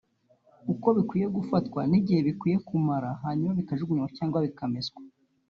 uko bikwiye gufatwa n’igihe byagakwiye kumara hanyuma bikajugunywa cyangwa bikameswa